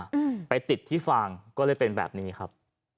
อืมไปติดที่ฟางก็เลยเป็นแบบนี้ครับ